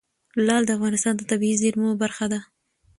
لعل د افغانستان د طبیعي زیرمو برخه ده.